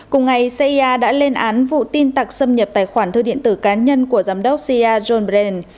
cùng ngày cia đã lên án vụ tin tặc xâm nhập tài khoản thư điện tử cá nhân của giám đốc cia john brent